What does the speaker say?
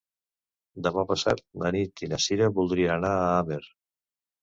Demà passat na Nit i na Sira voldrien anar a Amer.